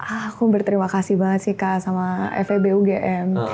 aku berterima kasih banget sih kak sama fbugm